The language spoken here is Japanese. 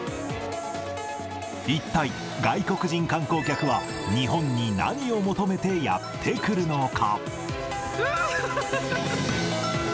一体外国人観光客は、日本に何を求めてやって来るのか。